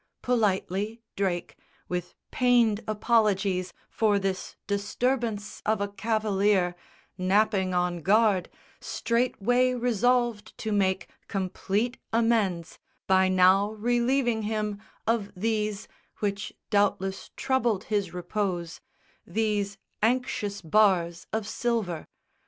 Politely Drake, with pained apologies For this disturbance of a cavalier Napping on guard, straightway resolved to make Complete amends, by now relieving him Of these which doubtless troubled his repose These anxious bars of silver.